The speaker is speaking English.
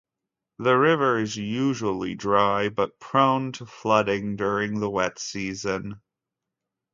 The river is usually dry, but prone to flooding during the wet season.